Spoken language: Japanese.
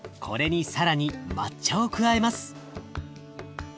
これに更に抹茶を加えます。